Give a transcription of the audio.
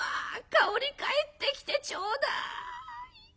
香織帰ってきてちょうだい」。